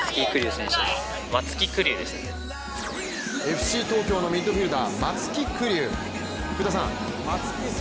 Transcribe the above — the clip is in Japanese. ＦＣ東京のミッドフィルダー松木玖生。